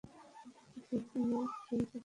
এটা কি সুইস না ফ্রেন্স চকলেট?